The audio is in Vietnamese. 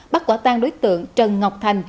bắt quả tan đối tượng trần ngọc thành